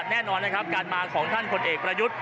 แน่นอนนะครับการมาของท่านผลเอกประยุทธ์